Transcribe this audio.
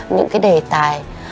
những cái đề tài